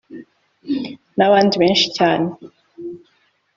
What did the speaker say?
n’abandi benshi cyane